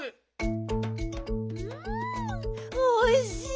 んおいしい。